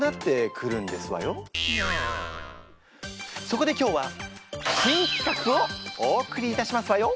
そこで今日は新企画をお送りいたしますわよ。